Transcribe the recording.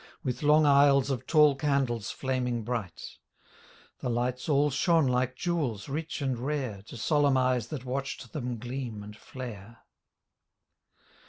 With long aisles of tall candles flaming bright: The lights all shone like jewels rich and rare To solemn eyes that watched them gleam and flare.